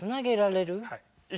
はい。